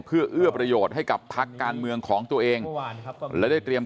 เพื่อเอื้อประโยชน์ให้กับพักการเมืองของตัวเองและได้เตรียม